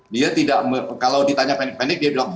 dia tidak kalau ditanya pendek pendek dia bilang